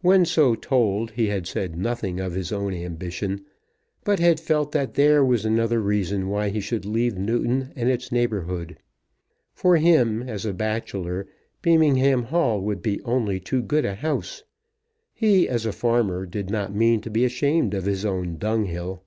When so told he had said nothing of his own ambition, but had felt that there was another reason why he should leave Newton and its neighbourhood. For him, as a bachelor, Beamingham Hall would be only too good a house. He, as a farmer, did not mean to be ashamed of his own dunghill.